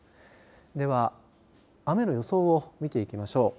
では、雨の予想を見ていきましょう。